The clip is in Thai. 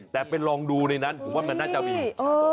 แต่ไปลองดูในนั้นผมว่ามันน่าจะมี